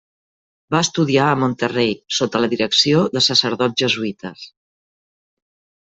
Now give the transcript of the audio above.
Va estudiar a Monterrey sota la direcció de sacerdots jesuïtes.